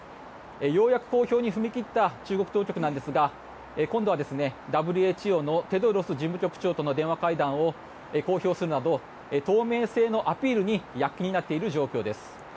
ようやく公表に踏み切った中国当局なんですが今度はＷＨＯのテドロス事務局長との電話会談を公表するなど透明性のアピールに躍起になっている状況です。